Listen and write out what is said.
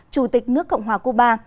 chủ tịch nước cộng hòa cuba